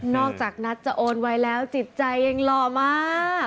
จากนัทจะโอนไว้แล้วจิตใจยังหล่อมาก